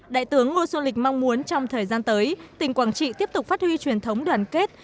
đại tướng ngô xuân lịch mong muốn trong thời gian tới tỉnh quảng trị tiếp tục phát huy truyền thống đoàn kết